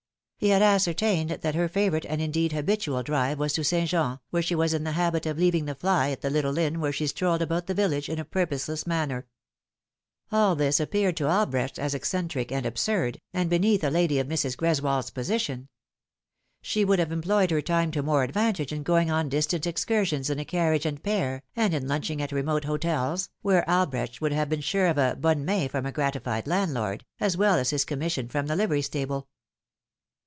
He had ascertained that her favour ite and, indeed, habitual, drive was to St. Jean, where she was in the habit of leaving the fly at the little inn while she strolled about the village in a purposeless manner. All this appeared to Albrecht as eccentric and absurd, and beneath a lady of Mrs. Greswold's position. She would have employed her time to more advantage in going on distant excursions in a carriage and pair, and in lunching at remote hotels, where Albrecht would have been sure of a bonne main from a gratified landlord, as well as his commission from the livery stable.